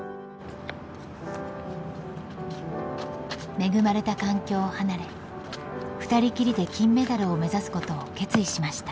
恵まれた環境を離れふたりきりで金メダルを目指すことを決意しました。